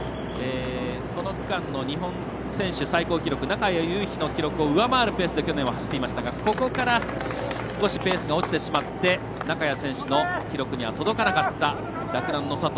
この区間の日本選手最高記録中谷雄飛の記録を上回るペースで去年は走っていましたがここから、少しペースが落ちてしまって中谷選手の記録には届かなかった洛南の佐藤。